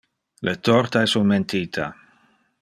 Le torta es un mentita.